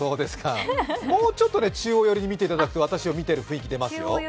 もうちょっと中央寄りを見ていただくと、私を見ているようになりますよ。